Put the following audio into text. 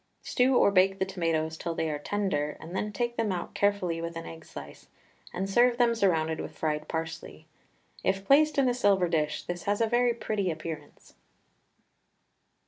Stew or bake the tomatoes till they are tender, and then take them out carefully with an egg slice, and serve them surrounded with fried parsley. If placed in a silver dish this has a very pretty appearance.